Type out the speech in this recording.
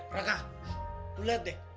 raka lu liat deh